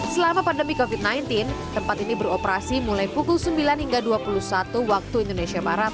selama pandemi covid sembilan belas tempat ini beroperasi mulai pukul sembilan hingga dua puluh satu waktu indonesia barat